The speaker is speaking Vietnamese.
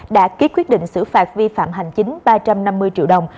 đã ký quyết định xử phạt vi phạm hành chính ba trăm năm mươi triệu đồng